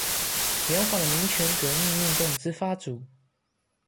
延緩了民權革命運動之發主